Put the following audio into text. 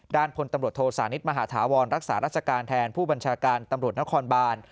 พลตำรวจโทสานิทมหาธาวรรักษาราชการแทนผู้บัญชาการตำรวจนครบาน